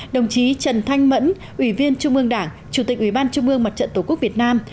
đồng chí trần thanh mẫn ủy viên trung ương đảng chủ tịch ủy ban trung mương mặt trận tổ quốc việt nam